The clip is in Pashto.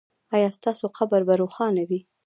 ایا ستاسو قبر به روښانه وي؟